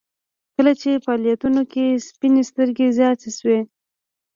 کله چې په فعالیتونو کې سپین سترګي زیاته شوه